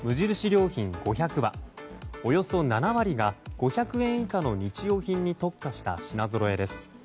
良品５００はおよそ７割が５００円以下の日用品に特化した品ぞろえです。